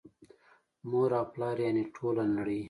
مور او پلار یعني ټوله نړۍ